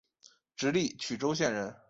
直隶曲周县人。